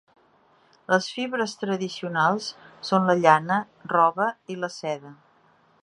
Les fibres tradicionals són la llana, roba i la seda.